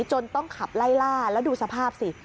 จนต้องขับไล่ล่าแล้วดูสภาพสิ